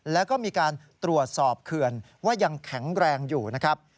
แล้วก็มีการตรวจสอบเขื่อนว่ายังแข็งแรงอยู่นะครับ